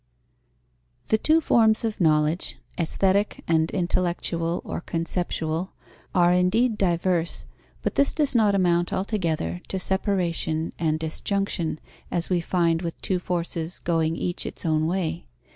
_ The two forms of knowledge, aesthetic and intellectual or conceptual, are indeed diverse, but this does not amount altogether to separation and disjunction, as we find with two forces going each its own way.